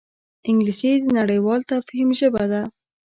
انګلیسي د نړیوال تفهیم ژبه ده